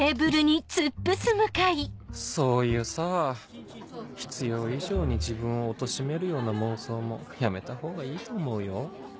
そういうさぁ必要以上に自分をおとしめるような妄想もやめた方がいいと思うよ